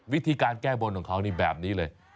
วิธีการแก้บนของเขานี่แบบนี้เลย